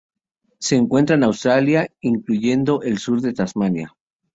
Se encuentra en Australia, incluyendo el sur de Tasmania.